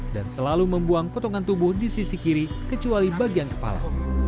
dan selalu membuang potongan tubuh di sisi kiri kecuali bagian kepala